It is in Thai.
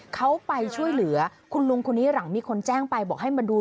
เขาไปช่วยเหลือคุณลุงคนนี้หลังมีคนแจ้งไปบอกให้มาดู